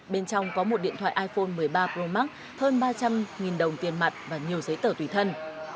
bên trong có một điện thoại iphone một mươi ba pro max hơn ba trăm linh đồng tiền mặt và nhiều giấy tờ tùy thân